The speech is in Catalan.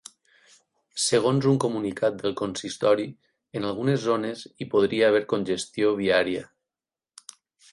Segons un comunicat del consistori, en algunes zones hi podria haver congestió viària.